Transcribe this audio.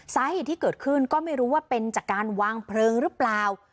สาเหตุที่เกิดขึ้นก็ไม่รู้ว่าเป็นจากการวางเพลิงหรือเปล่า